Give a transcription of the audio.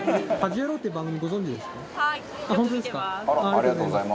ありがとうございます。